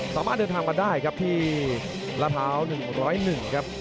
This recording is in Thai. สามารถเดินทางมาได้ครับที่ละพร้าว๑๐๑ครับ